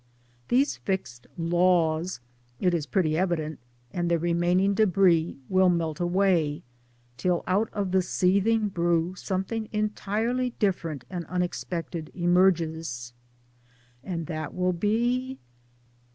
These fixed * Laws/ it is pretty evident, and their remaining de'bris, will melt away, till out of the seething brew something entirely different and unexpected emerges. And that will be?